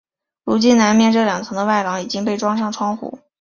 如今南面这两层的外廊已经被装上窗户。